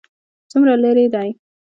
څومره لیرې دی؟